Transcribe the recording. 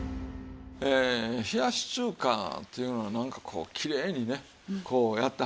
冷やし中華っていうのはなんかこうきれいにねこうやってはるでしょう。